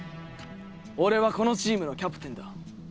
俺はこのチームのキャプテンだ。